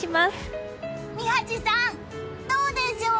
宮司さん、どうでしょう？